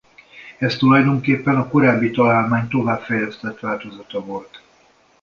Ez tulajdonképpen a korábbi találmány továbbfejlesztett változata volt.